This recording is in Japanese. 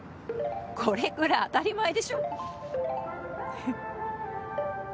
これくらい、当たり前でしょ。